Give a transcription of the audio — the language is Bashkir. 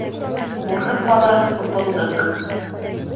БУРҺЫҠ БАЛАҺЫ ТУПЫЛДЫҠ